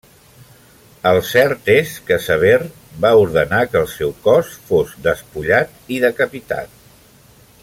El cert és que Sever va ordenar que el seu cos fos despullat i decapitat.